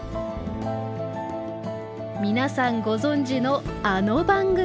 皆さんご存じのあの番組！